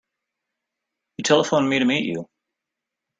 You telephoned me to meet you.